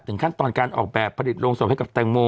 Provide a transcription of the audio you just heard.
ขั้นตอนการออกแบบผลิตโรงศพให้กับแตงโม